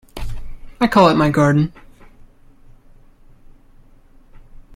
I call it my garden.